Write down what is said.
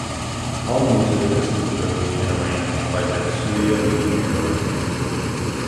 All music is composed and arranged by Tetsuya Komuro.